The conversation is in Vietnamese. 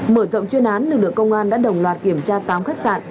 mở rộng chuyên án lực lượng công an đã đồng loạt kiểm tra tám khách sạn